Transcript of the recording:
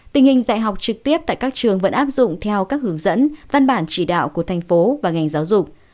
tình hình dạy học trực tiếp tại các trường vẫn áp dụng theo các hướng dẫn văn bản chỉ đạo của thành phố và ngành giáo dục